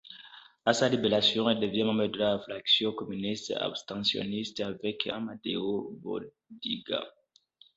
À sa libération, il devient membre de la Fraction communiste abstentionniste avec Amadeo Bordiga.